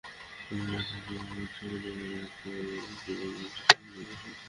জানোই তো, জীবনজীব ইন্ডাস্ট্রিজ একীভূত হয়েছে।